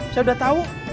saya udah tau